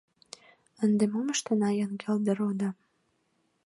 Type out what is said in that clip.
Ынде мом ыштена, Яҥгелде родо?